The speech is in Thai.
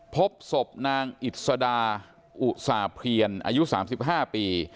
พบศพนางอิสดาอุตส่าห์เพลียนอายุ๓๕ปี